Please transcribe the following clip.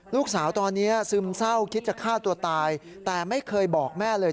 ลูกสาวตอนนี้ซึมเศร้าคิดจะฆ่าตัวตายแต่ไม่เคยบอกแม่เลย